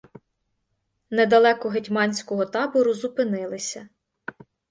Недалеко гетьманського табору зупинилися.